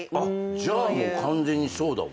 じゃあもう完全にそうだわ。